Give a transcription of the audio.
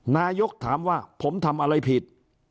นายกถามว่าผมทำอะไรผิด